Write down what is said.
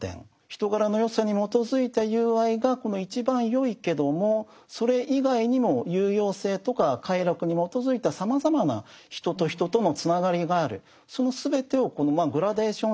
人柄の善さに基づいた友愛が一番よいけどもそれ以外にも有用性とか快楽に基づいたさまざまな人と人とのつながりがある。